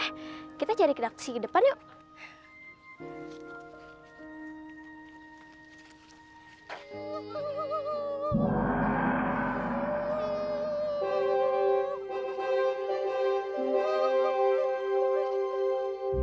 eh kita cari kedaksi ke depan yuk